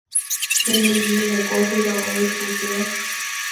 电影是以美国队长为主角。